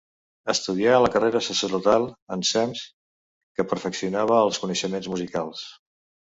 Estudià la carrera sacerdotal ensems que perfeccionava els coneixements musicals.